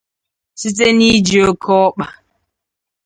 site n'iji okeọkpa